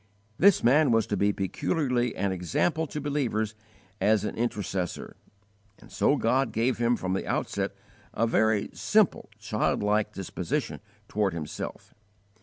This man was to be peculiarly an example to believers as an intercessor; and so God gave him from the outset a very simple, childlike disposition toward Himself.